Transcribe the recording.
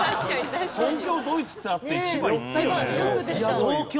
東京ドイツってあって千葉いったよね。